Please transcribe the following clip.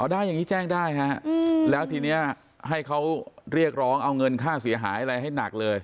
ได้อย่างนี้แจ้งได้ฮะแล้วทีนี้ให้เขาเรียกร้องเอาเงินค่าเสียหายอะไรให้หนักเลย